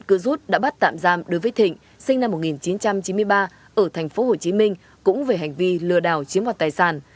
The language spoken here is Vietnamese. cứu rút đã bắt tạm giam đối với thịnh sinh năm một nghìn chín trăm chín mươi ba ở tp hcm cũng về hành vi lừa đảo chiếm hoạt tài sản